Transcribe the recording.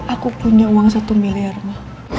aku punya uang satu miliar mah